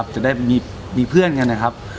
จะได้มีเพื่อนกันนะครับ